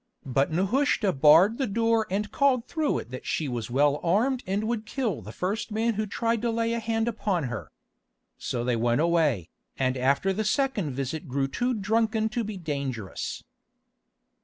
But Nehushta barred the door and called through it that she was well armed and would kill the first man who tried to lay a hand upon her. So they went away, and after the second visit grew too drunken to be dangerous.